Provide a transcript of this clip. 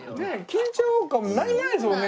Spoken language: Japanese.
緊張感ないですもんね